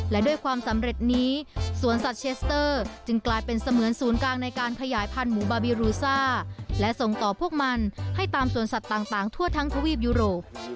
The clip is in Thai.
และด้วยความสำเร็จนี้สวนสัตว์เชสเตอร์จึงกลายเป็นเสมือนศูนย์กลางในการขยายพันธุ์หมูบาบิรูซ่าและส่งต่อพวกมันให้ตามสวนสัตว์ต่างทั่วทั้งทวีปยุโรป